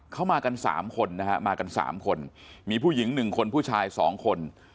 เข้ามากันสามคนนะฮะมากันสามคนมีผู้หญิงหนึ่งคนผู้ชายสองคน